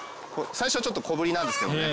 最初はちょっと小ぶりなんですけどね。